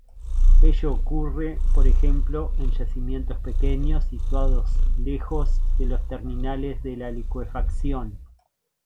Ello ocurre por ejemplo en yacimientos pequeños situados lejos de los terminales de licuefacción.